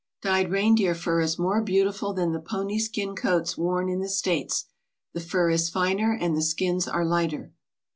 Dyed reindeer fur is more beautiful than the pony skin coats worn in the States. The fur is finer and the skins are lighter.